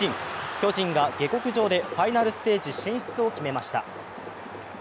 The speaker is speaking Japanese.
巨人が下剋上でファイナルステージ進出を決めました。